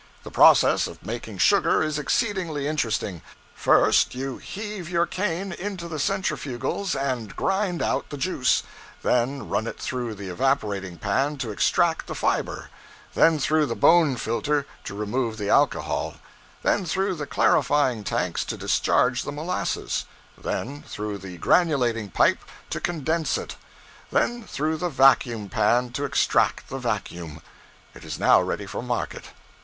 The process of making sugar is exceedingly interesting. First, you heave your cane into the centrifugals and grind out the juice; then run it through the evaporating pan to extract the fiber; then through the bone filter to remove the alcohol; then through the clarifying tanks to discharge the molasses; then through the granulating pipe to condense it; then through the vacuum pan to extract the vacuum. It is now ready for market.